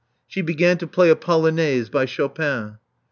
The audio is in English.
*' She began to play a polonaise by Chopin.